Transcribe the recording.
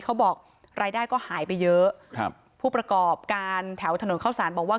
เขาบอกรายได้ก็หายไปเยอะครับผู้ประกอบการแถวถนนเข้าสารบอกว่า